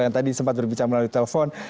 yang tadi sempat berbicara melalui telepon